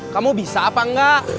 kamu bisa apa enggak